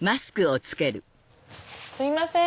すいません。